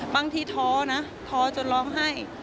ที่ท้อนะท้อจนร้องไห้